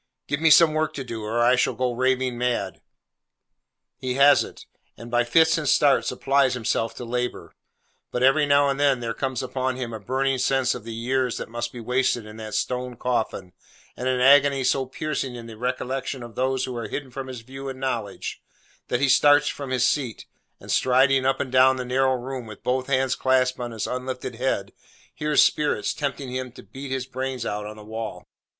'Give me some work to do, or I shall go raving mad!' He has it; and by fits and starts applies himself to labour; but every now and then there comes upon him a burning sense of the years that must be wasted in that stone coffin, and an agony so piercing in the recollection of those who are hidden from his view and knowledge, that he starts from his seat, and striding up and down the narrow room with both hands clasped on his uplifted head, hears spirits tempting him to beat his brains out on the wall.